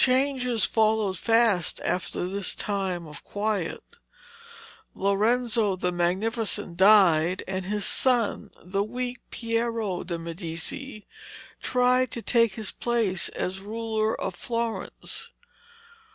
Changes followed fast after this time of quiet. Lorenzo the Magnificent died, and his son, the weak Piero de Medici, tried to take his place as ruler of Florence.